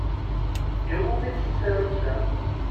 Iwumi-tt tsarutt-a?